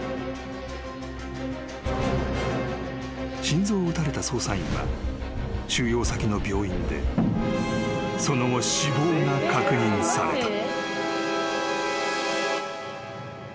［心臓を撃たれた捜査員は収容先の病院でその後死亡が確認された］